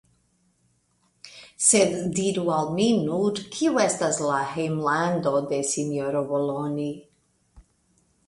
Sed diru al mi nur, kiu do estas la hejmlando de sinjoro Boloni?